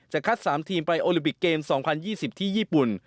คัด๓ทีมไปโอลิปิกเกม๒๐๒๐ที่ญี่ปุ่น